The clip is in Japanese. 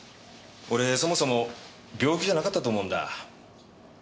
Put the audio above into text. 俺そもそも病気じゃなかったと思うんだ。